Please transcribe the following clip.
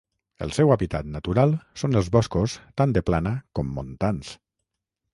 El seu hàbitat natural són els boscos tant de plana com montans.